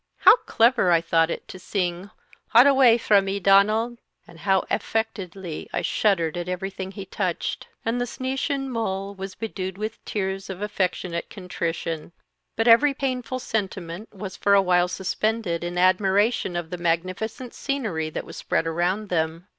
How clever I thought it to sing 'Haud awa frae me, Donald,' and how affectedly I shuddered at everything he touched;" and the "sneeshin mull" was bedewed with tears of affectionate contrition. But every painful sentiment was for a while suspended in admiration of the magnificent scenery that was spread around them.